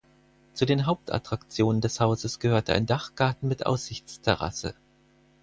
Zu den Hauptattraktionen des Hauses gehörte ein Dachgarten mit Aussichtsterrasse.